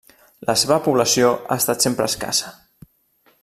La seva població ha estat sempre escassa.